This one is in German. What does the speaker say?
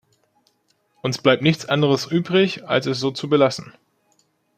Uns bleibt nichts anderes übrig, als es so zu belassen.